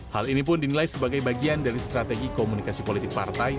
hal ini pun dinilai sebagai bagian dari strategi komunikasi politik partai